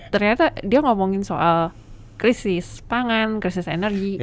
ternyata dia ngomongin soal krisis pangan krisis energi